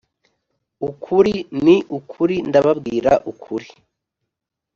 Ukuri ni ukuri ndababwira ukuri